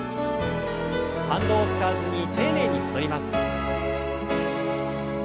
反動を使わずに丁寧に戻ります。